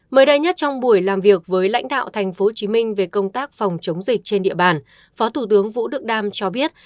mới đây nhất trong buổi làm việc với lãnh đạo tp hcm về công tác phòng chống dịch trên địa bàn phó thủ tướng vũ đức đam cho biết